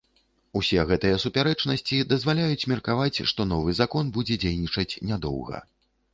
Усе гэтыя супярэчнасці дазваляюць меркаваць, што новы закон будзе дзейнічаць нядоўга.